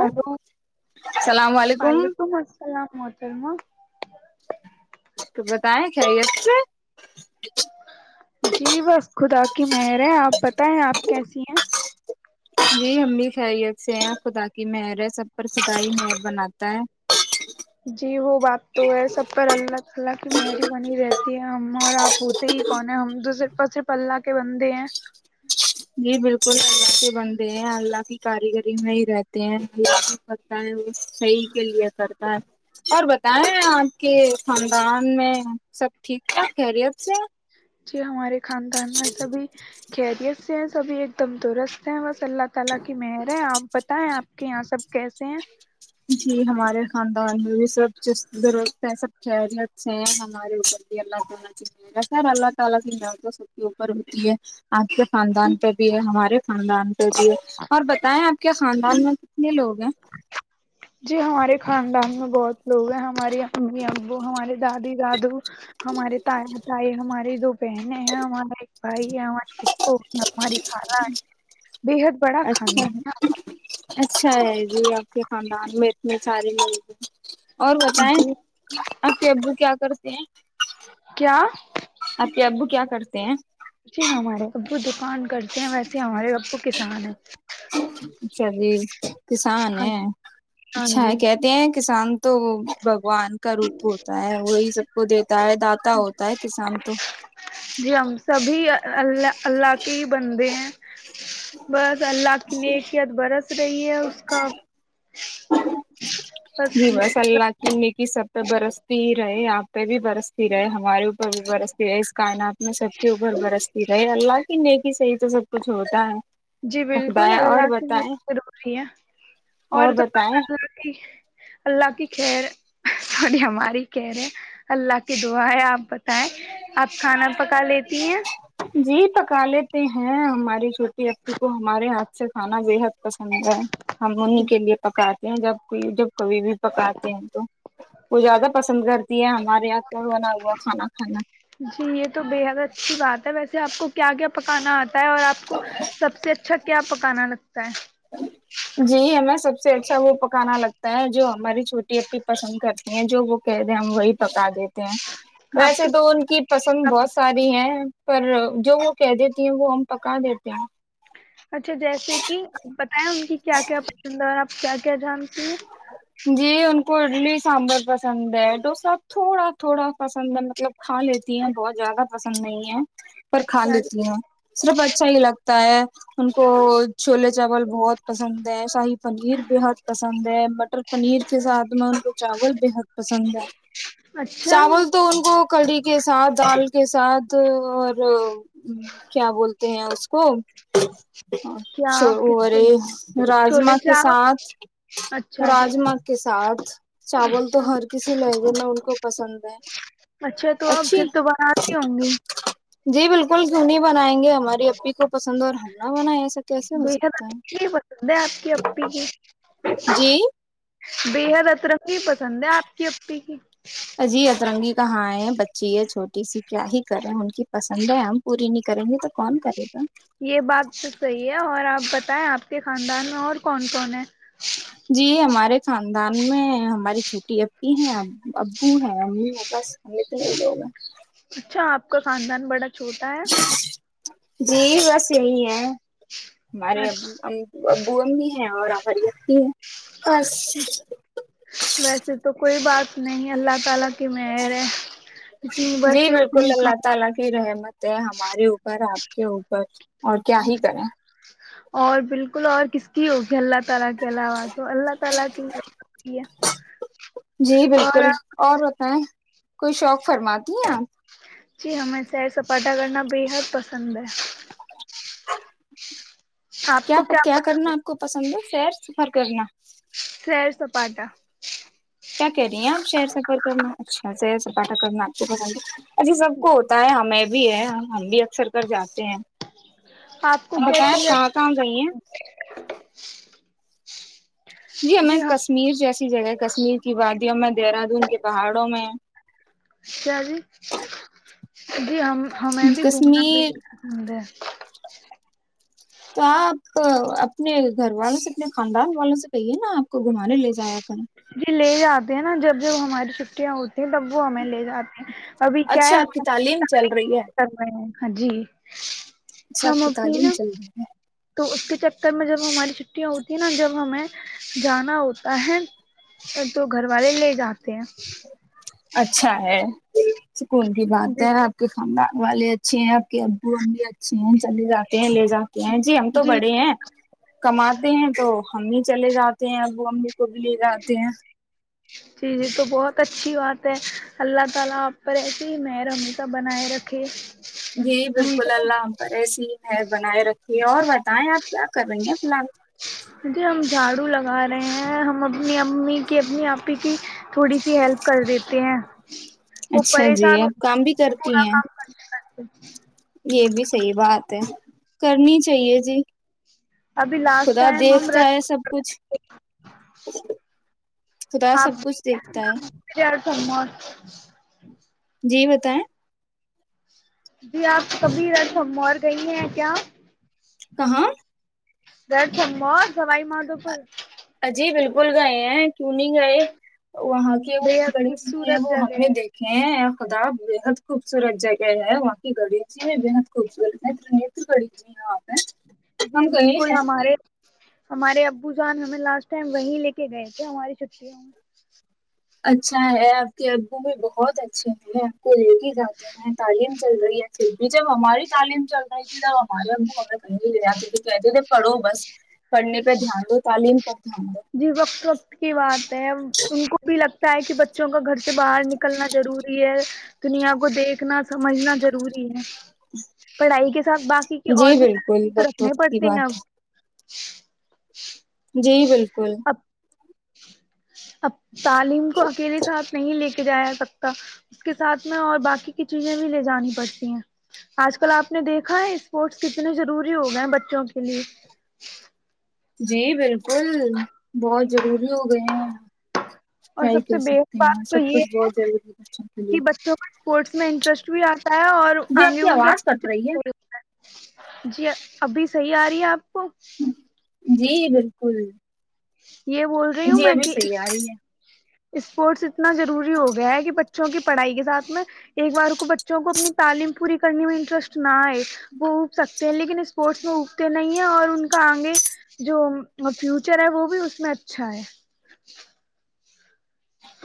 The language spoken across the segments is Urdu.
ہلو ہی اللام علیکم اللام ہوت الما [unintelligible] تو بتائیں کیاری سے مر ہے آپ پتائیں آپ کیسی ہیں جی ہم بھی خیریت سے ہیں خدا کی مہر ہے سب پر خدائی مہر بناتا ہے جی وہ بات تو ہے سب پر اللہ تعالی کی مہری بنی رہتی ہے ہم اور آپ ہوتے ہی کون ہے ہم تو صرف اور صرف اللہ کے بنے ہیں [unintelligible] [unintelligible] بنتے ہیں اللہ کی کاریگری میں ہی رہتے ہیں اللہ کی پتا ہے وہ صحیح کے لیے کر [unintelligible] ہاں اور بتائیں آپ کے خاندان میں سب ٹھیک ٹھاک خیریت سے جی ہمارے خاندان میں سبھی خری ہے سبھی ایک دم د رست ہیں بس اللہ تعالی کی مہر ہیں اپ بتائیں اپ کہ یہاں سب کیسے ہیں جی ہمارے خان [unintelligible] خاندان کر دیے اور بتائیں آپ کیا خاندان میں کتنے لوگ ہیں جی ہمارے خاندان میں بہت لوگ ہیں ہماری امی ابو ہماراری دادی جادو ہمارے تایا تائی ہمارے دو پہنے ہیں ہمارے ایک بھائی ہے ہمارے [unintelligible] بےحد بڑا اچھا خاندان [unintelligible] آپ کے خاندان میں اتنے ساری مل گی اور ہے بتائیں جی آپ کے ابو کیا کرتے ہیں کیا اپ کے ابو کیا کرتے ہیں جی ہمارے ابو دکان کرتے ہیں ویسے ہمارے رب کو کسان ہیں اچھا جی کسان ہیں ہاں اچھا جی ہے کہتے ہیں کسان تو ون کا روپ ہوتا ہے وہی سب کو دیتا ہے داتا ہوتا ہے کسان تو جی ہم سبھی اللہ اللہ کے ہی بنتے ہیں بس اللہ آپ کی لیے اقیت برس رہی ہے اس کا بس جی مس اللہ کی میک سب برستی ہی رہے یہاں پہ بھی برستی رہے ہمارے برستی رہی اس کائنات میں سب کے اوپر برستی رہی اللہ کی نیک صحیح تو سب کچھ ہوتا ہے جی بالکل خدایا اور اللہ سے م بتائیں ضروری ہے اور تولہ اللہ کی خیر سوری ہماری خیر ہے اللہ کی دعا ہے آپ بتائیں آپ کھانا پکا لیتی ہیں جی پکا لے ہیں ہماری چھوٹی اپی کو ہمارے ہاتھ سے کھانا بے حد پسند ہے ہم انیں کے لیے پکات جب کوئی جب کبھی بھی پکاتے ہیں تو وہ زیادہ پسند کرتی ہے ہمارے یہاں کی بنا ہوا کھانا کھانا ج آپ کو کیا کیا پکانا آتا اور آپ کو سب سے اچھا کیا پکانا لگتا ہے [inaudible] جی ہمیں سب سے اچھا وہ پکانا لگتا ہے جو ہماری چھوٹی اپی پسند کرتی ہیں جو وہ کہہ دے ہم وہی پکا دیتے ہیں آپ ویسے کے تو ان کی پسند بہت ساری ہیں پر جو وہ کہہ دیتی ہیں وہ ہم پکا دیتے ہیں اچھا جیسے کہ آپ بتائیں ان کی کیا کیا پسند اور آپ کیا کیا جان جی ان کلی سانبر پسند ہے ڈوسا تھوڑا تھوڑا پسند ہے مطلب کھا لیتی ہیں بہت زیادہ پسند نہیں ہے پر کھا اچھا لیتی ہیں صرف اچھا ہی لگتا ہے ان کو چھولے چاول بہت پسند ہے شاہی پنیر بحد پسند ہے مٹر پنیر کے ساتھ میں ان کو چاول بےحد پسند ہے اچھا چاول تو ان کو کڑھی کے ساتھ ال کے ساتھ اور ہ کیا بولتے ہیں اس کو کیا ا کس کو اورے چھولے راجما کے چاول ساتھ اچھا جی راجما کے ساتھ چاول تو اچھا ہر کسی لہجے میں ان کو پسند ہے اچھا تو آپ اچھی پھر تو بناتی ہوں گی جی بالکل کیوں نہیں بنائیں گے ہماری ای کو پسند ہے اور ہم نہ بنایا ایسا کیسے ہو بےحد سکتا ہے اچھی پسند ہے آپ کی اپی کی جی بےحد ا ترقی پسند ہے آپ کی اپی کی جی اترنگی کہاں ہے بچی ہے چھوٹی سی کیا ہی کرے ان کی پسند ہے ہم پوری ن کریں گے تو کون کرے گا یہ بات تو صحیح ہے اور آپ بتائیں آپ کے خاندان میں اور کون کون ہیں جی ہمارے ہمارے خاندان میں ہماری چھوٹی ای ہیں ابو ہیں امی ہیں بس ہم اتنے ہی لوگ ہیں اچھا آپ کا خاندان بڑا چھوٹا ہے جی بس یہی ہے ہمارے ابو امی ہیں اور ہماری ا بھی ہیں بس ویسے تو کوئی بات نہیں اللہ تعالی کہ میں صبح جی سے اٹھی بالکل اللہ تعالی کی رحمت ہمارے اوپر آپ کے اوپر اور کیا ہی کریں اور بالکل اور کس کی ہوگی اللہ کے علاوہ تو اللہ تعالی کی ہے جی بالکل اور بتائیں کوئی شوق فرماتی ہیں آپ جی ہمیں سیر سپاٹا کرنا بےحد پسند ہے آپ کیا کو کیا پسند کرنا ہے آپ کو پسند ہے سیر سفر کرنا سیر سپاٹا [unintelligible] کیا کہہ رہی ہیں آپ شہیر سفر کرنا اچھا س سپاٹا کرنا آپ کو پسند اھی سب کو ہوتا ہے ہمیں [unintelligible] بھی ہے ہم بھی اکثر کر جاتے ہیں آپ کو بتیا کیسی آپ کہاں جگہ کہاں گئی ہیں جییں جی ہم کشمیر جیسی جگہ ہے کشمیر کی بات د ہ میں دہرادون کے پہاڑوں میں کیا جی جی ہم ہمیں بھی گھومنا ب کشمیر پسند ہے [inaudible] تو آپ اپنے گھر والوں سے اپنے خاندان والوں سے کہیے نا آپ کو گھمانے لے جایا کریں جی لے آا [unintelligible] نا جب جب ہماری چھٹیاں ہوتی ہیں تب وہ ہمیں لے جاتے ہیں ابھی کیا ہے اچھا آپ ہم کی اپنی تعلیم چل رہی ہے کر رہے ہیں ہاں جی اچھا ہم آپ ا کی اپنی نا تعلیم چل رہی ہے تو اس کے چکر میں جب ہماری چھٹیاں ہوتی ہیں نا جب ہمیں جانا ہوتا ہے تو گھر والے لے جاتے [inaudible] اچھا ہے سکون کی بات جی ہے آپ کے خاندان والے اچھے ہیں آپ ابو امی اے چلے جاتے ہیں لے جاتے ہیں جی ہم تو بڑے ہیں کماتے ہیں تو امی چلے جاتے ہیں اب وہ امی کو بھی لے جاتے ہیں جی یہ تو بہت اچھی بات ہے اللہ تعالی اپ پر ایسے ہی محرم کا بنائے رکھے جی ہم بالکل تو اللہ ہم پر ایسی ہی مر بنائے رکھی ہے اور بتائیں آپ کیا کر رہی ہیں فی الحال جی ہم جھاڑو لگا رہے ہیں ہم اپنی امی کی اپنی کی تھوڑی سی ہیلپ کر دیتے ہیں وہ اچھا جی پریشان ہو اب کام بھی جاتے کرتی پورا ہیں کام [unintelligible] یہ بھی صحی بات ہے کرنی چاہیے جی ابھی لاسٹ خدا ٹائم ہم دیکھتا ہے سب کچھ خدا سب کچھ دیکھتا ہے آپاروس [inaudible] جی بتائیں جی آپ کبھی رس مور گئی ہیں کیا کہاں [inaudible] سوائی مادو پرور بول گئے ہیں کیوں نہیں گئے وہاں کے وہ بےحد گریب بھی ہیں خوبصورت وہ ہم جگہ نے ہے دیکھے ہیں خداب بےحد خوبصورت جگہ ہے وہاں کی گڑیجی بھی بےحد خوبصورت ہے تنیتر گڑی جی ہاں جی بالکل ہمارے ہمارے ا بوزان ہمیں لاسٹ ٹائم وہیں لے کے گئے تھے ہماری چھٹی میں اچھا ہے آپ کے ابو بھی بہت اچھے ہیں آپ کو لےگ جاتے ہیں تعلیم چل رہی ہے پھر بھی جب ہماری تعلیم چل رہی تھی تب ہمارے ابو ہمیں کہیں لے جاتے تھے کہتے تھے پڑھو بس پڑھنے پہ دھیان دو تعلیم پر دھیان جی وقت وقت کی بات ہے ان کو بھی لگتا ہے کہ بچوں کا گھر سے باہر نکلنا روری ہے دنیا کو دیکھنا سمجھنا ضروری ہے پڑھائی کے ساتھ باقی کی دو اور جی بالکل بھی تو وقت رکھنے وقت کی پڑتے ہیں اب بات [inaudible] جی بالکل اب [unintelligible] تعلیم کو اکیلے ساتھ نہیں لے کے جا سکتا اس کے ساتھ میں اور باقی کی چیزیں بھی لے جانی پڑتی ہیں آج کل آپ نے دیکھا ہے اسپورٹس کتنے ضروری ہو گئے ہیں بچوں کے لیے جی بالکل الکل بہت ضروری ہو گئے ہیں اور کیا ہی سب سے کہہ بے سکتے ہیں بات تو سب یہ کچھ ہے بہت ضروری بچوں کے لیے کہ بچوں کا اسپورٹس میں انٹرسٹ آ [unintelligible] تا اور جی آپ آگے کی ان کا آواز کٹ رہی جی ابھی صحیح آ رہی ہے آپ کو ہے جی بالکل یہ بول رہی ہوں جی میں ابھی کہ صحیح آ رہی ہے اسپورٹس نا روری ہو گیا ہے کہ بے بچوں کی پڑھائی کے ساتھ میں ایک بار کو بچوں کو اپنی تعلیم پوری کرنی میں انٹرسٹ نہ وہ اگ سکتے ہیں لیکن اسپورٹس میں اگتے نہیں ہیں اور ان کا آگے جو فیوچر ہے وہ بھی اس میں اچھا ہے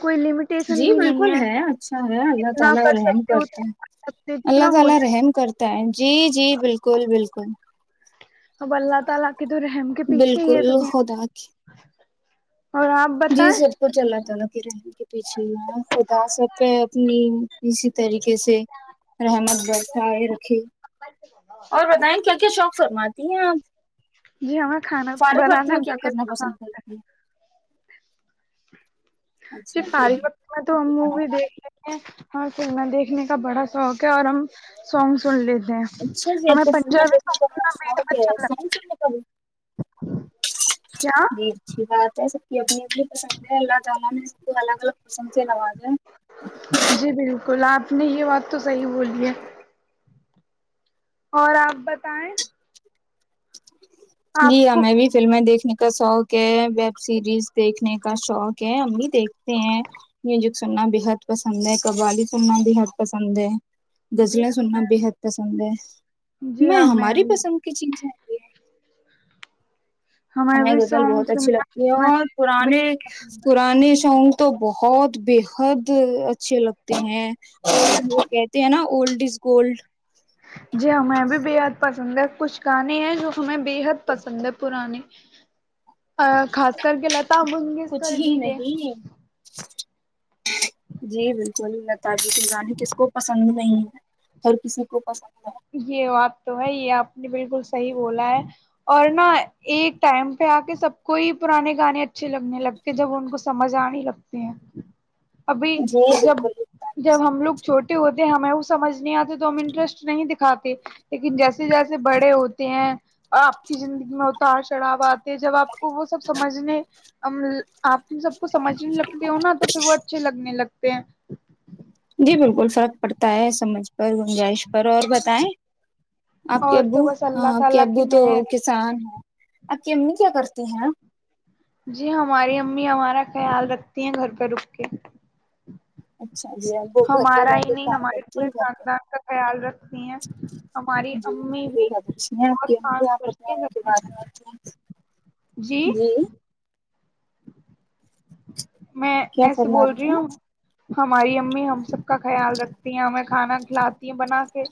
کوئی لمیٹیشن جی بھی نہیں بالکل ہے اچھی بات ہے، اللہ جتنا آپ کر سکتے پر ہو اتنا کر سکتے جتنا ہو جائے رحم فرمائے، جی بالکل۔ [unintelligible] کہ تو رحم کے پیچھے ہی ہے بالکل تو خدا کی جی سب کوچ چل رہا تھا ن کہ رہنے پیچھے خدا سب پہ اپنی اسی طریقے سے رحمت برسائے رکھے اور بتائیں کی کیا شوق شرما تی ہیں آج جی ہمیں کھانا بنانا ب کرنا پسند ہے کرتی ہیں جی اچھا پار پ میں تو آپ کو ہمو کھانا بھی بنانا دیکھ ل ہیں ہاں سننا دیکھنے کا بڑا شوق ہے اور ہم سونگ سن لیتے ہیں اچھا جی ہمیں ف پنجابی دیکھنے کا سانگ بڑا سننا بےحد شوق اچھا ہے لگتا کا ہے جی کیا اچھی بات ہے ابنی ابڑ پ سندے علااد تھا الام الگگ جی بالکل آپ اپ یہ وت تو صحیح بولیے اور آپ بتائیں جی آپ ہاں کو میں بھی فلمیں دیکھھی دیکھنے کا شوق ہے ویب سیریز دیکھنے کا شوق ہے ہم بھی دیکھتے ہیں میوزک سننا بےحد پسند ہے قوالی سننا بےحد پسند ہے جی غزلیں سننا ہمیں بےحد بھی پسند ہے جی میں ہمیں ہماری بھی پسند کی چیزیں یہ ہیں، ہمیں بھی غزل سانگ بہت اچھی سننا لگتی ہے فلمیں اور دیکھنا پرانے بےحد پسند ہے۔ پرانے ش تو بہت بےحد اچھے لگتے ہیں ل کہتے ہیں نا اولڈ از گولڈ جی ہاں میں بھی بے یاد پ سندر کچھ گانے ہیں جو ہمیں بےحد پسند ہے پرانی [inaudible] ا خاص کر کے لتا کچھ منگیشکر ہی جی کے نہیں جی بالکل تجی کی گانی کس کو پسند نہیں ہے ہر کسی کو پسند یہ بات تو ہے یہ آپ نے بالکل صحیح بولا ہے اور نہا ایک ٹائم پہ آ کے سب کو ہی پرانے گانے اچھے لگنے لگتے جب ان کو سمجھ آنے لگتے ہیں ابھی جی جب بالکل سب جب ہم لوگ کچھ چھوٹے ہوتے ہمیں اس سجھ نہیں آتے تو ہم انٹرسٹ نہیں دکھتے کھاتے لیکن جیسے جیسے بڑے ہوتے ہیں آپ کی زندگی میں اتار چڑھاو آتے ہیں جب آپ کو وہ سب سمجھنے آپ سب کو سمجھنے لگتے ہو نا تو پھر وہ اچھے لگنے لگتے ہیں جی بالکل فرق پڑتا ہے سمجھ پر گنجائش پر اور بتائیں آپ کے اور تو ابو بس ہاں اللہ آپ کے تعالی کی ابو تو مہر کسان ہیں آپ کی امی کیا کرتی ہیں ن جی ہماری امی ہمارا خیال رکھتی ہیں گھر پہ رک کے اچھا جیب وہ گھر پہ ہمارا رہ ہی کے نہیں کام ہمارے کرتی ہیں پورے گھر پر خاندان کا خیال رکھتی ہیں ہماری جی امی بہت بھی اچھی کام ہیںپ ب کرتی ہیں گھر بارے میں جی میں کیا ایسے فرما بول رہی ہیں ہوں ہماری امی ہم سب کا خیال رکھتی ہیں ہمیں کھانا کھلاتی ہیں بنا کے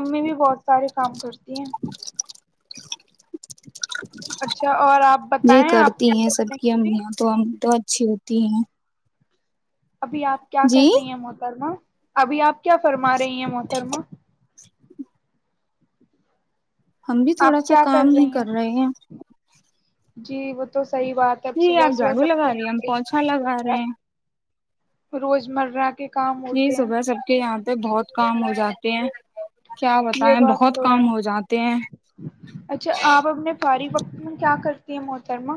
امی بھی بہت سارے کام کرتی ہیں [inaudible] اچھا اور آپ جی بتائیں آپ کرتی کیا ہیں کر سب رہے کی ہیں ابھی ایاں تو اچھی ہوتی ہیں ابھی آپ کیا کر جی رہی ہیں محترما ابھی آپ کیا فرما رہی ہیں محترما ہم بھی تھوڑا آپ سا کیا کام ہی رہی کر رہے ہیں جی وہ تو صحی بات ہے اب جی صبح آپ صبح جھاڑو سب کے لگا رہی آ ہیں ہم پوچھا گئی لگا رہے ہیں روز مرہ کے [unintelligible] جی ہیں صبح سب کے یہاں پہ بہت کام ہو جاتا کہ یہ بات تو ہے ہیں اچھا آپ اپنے فاری کیا کرتی ہے موحترما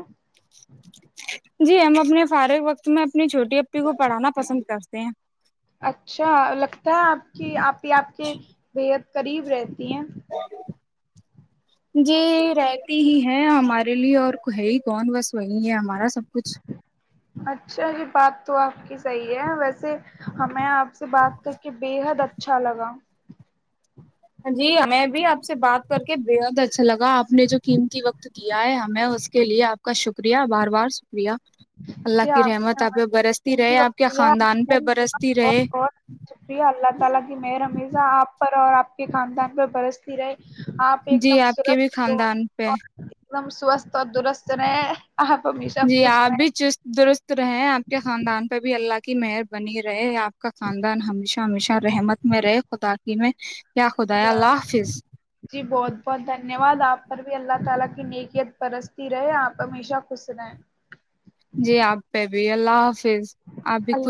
جی ہم اپنے فارغ وقت میں اپنی چھوٹی اپی کو پڑھانا پسند کرتے ہیں اچھا لگتا ہے آپ کہ آپ ہی آپ کے بےحد قریب رہتی ہیں جی رہتی ہی ہے ہمارے لیے اور ہے ہی کون بس وہی ہے ہمارا سب کچھ اچھا یہ بات تو آپ کی صحیح ہے ویسے ہمیں آپ سے بات کر کے بے حد اچھا اچھا لگا جی میں بھی آپ سے بات کر کے بےحد اچھا لگا آپ نے جو قیمتی وقت دیا ہے ہمیں اس کے لیے آپ کا شکریہ بار بار شکریہ [inaudible] اللہ کی رحمت آپ پہ برستی رہے آپ کے خاندان پہ برستی رہے کے خاندان پر برستی رہے آپ ایک جی دم آپ کے بھی سرست دور خاندان پہ اور ایک دم سوستھ اور درست رے آ بمی سب جی کچھ آپ بھی چست درست رہے آپ کے خاندان پ بھی اللہ کی مہر بنی رہے آپ کا خاندان ہمیشہ ہمیشہ رحمت میں رہے خدا کی میں یا خدا اللہ بس حافظ جی بہت بہت دھن دنیہ واد آپ پر بھی اللہ تعالی کی نیکیت پرستی رہے آپ ہمیشہ خش رہے جی آپ پہ ا بھی اللہ حافظ آپ بھی اللہ کچل